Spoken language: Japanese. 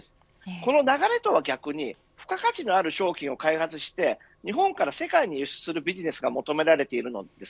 この流れとは逆に付加価値のある商品を開発して日本から世界に輸出するビジネスが求められています。